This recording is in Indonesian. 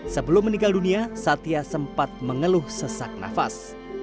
sebelum meninggal dunia satya sempat mengeluh sesak nafas